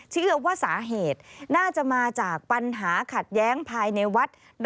เชื่อว่าสาเหตุน่าจะมาจากปัญหาขัดแย้งภายในวัด